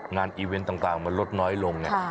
งานอีเว้นต่างมันลดน้อยลง